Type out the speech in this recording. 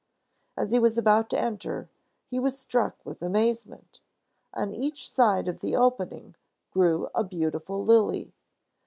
As he was about to enter, he was struck with amazement! On each side of the opening grew a beautiful lily.